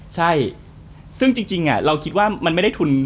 ใช่ซึ่งจริงเราคิดว่ามันไม่ได้ทุน